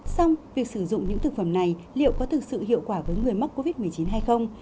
xong việc sử dụng những thực phẩm này liệu có thực sự hiệu quả với người mắc covid một mươi chín hay không